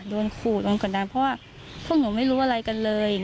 โดนขู่โดนกดดันเพราะว่าพวกหนูไม่รู้อะไรกันเลย